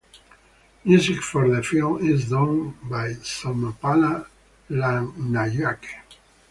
Music for the film is done by Somapala Rathnayake.